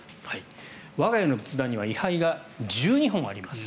我が家の仏壇には位牌が１２本あります